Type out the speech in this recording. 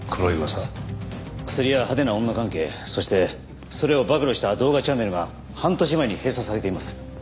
クスリや派手な女関係そしてそれを暴露した動画チャンネルが半年前に閉鎖されています。